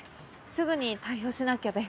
すぐに対応しなきゃで。